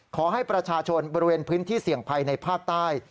ขอให้ประชาชนบริเวณพื้นที่เสี่ยงภัยในภาคใต้